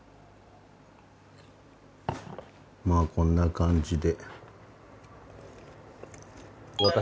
まあこんな感じで。